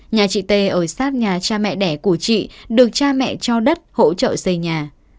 nhà chị tê ở sát nhà cha mẹ đẻ của chị được cha mẹ cho đất hỗ trợ xây nhà